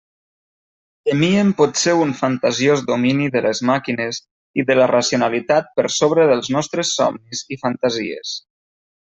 Temíem potser un fantasiós domini de les màquines i de la racionalitat per sobre dels nostres somnis i fantasies.